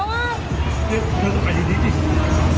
เฮ่ยเธอจะไปอยู่นี่สิ